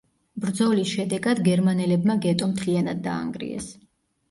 ბრძოლის შედეგად გერმანელებმა გეტო მთლიანად დაანგრიეს.